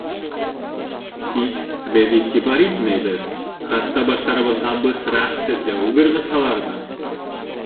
Тик беҙ иғтибар итмәйбеҙ, хатта баштарыбыҙға бысраҡ, сәтләүек ырғытһалар ҙа.